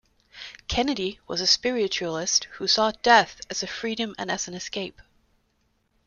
Kennedy was a Spiritualist who saw death as a freedom and an escape.